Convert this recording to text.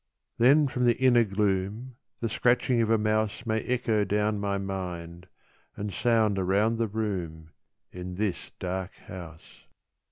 Then from the inner gloom The scratching of a mouse May echo down my mind And sound around the room In this dark house.